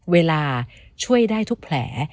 เวลาช่วยได้ทุกแผล